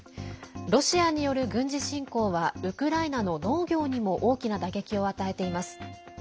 ロシアによる軍事侵攻はウクライナの農業にも大きな打撃を与えています。